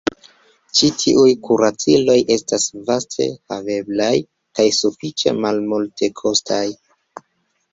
Ĉi tiuj kuraciloj estas vaste haveblaj kaj sufiĉe malmultekostaj.